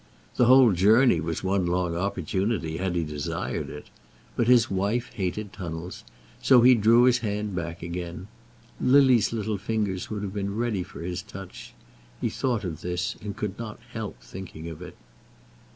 The whole journey was one long opportunity, had he desired it; but his wife hated tunnels, and so he drew his hand back again. Lily's little fingers would have been ready for his touch. He thought of this, and could not help thinking of it.